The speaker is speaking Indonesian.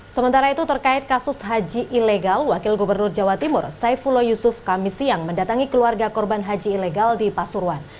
sementara itu terkait kasus haji ilegal wakil gubernur jawa timur saifullah yusuf kami siang mendatangi keluarga korban haji ilegal di pasuruan